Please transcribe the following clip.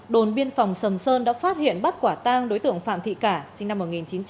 đồn biên phòng sầm sơn đã phát hiện bắt quả tang đối tượng phạm thị cả sinh năm một nghìn chín trăm tám mươi